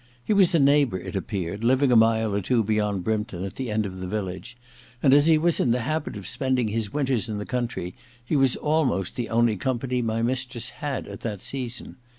He was a neighbour, it appeared, living a mile or two beyond Brympton, at the end of the village ; and as he was in the habit of spending his winters in the country he was almost the only company my mistress had at that season.